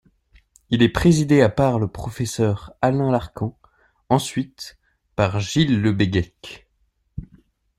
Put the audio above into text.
Il est présidé à par le professeur Alain Larcan, ensuite par Gilles Le Béguec.